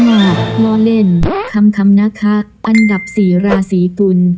ล้อเล่นคำนะคะอันดับสี่ราศีกุล